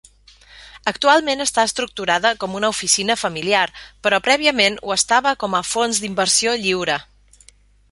Actualment està estructurada com una oficina familiar, però prèviament ho estava com a fons d'inversió lliure.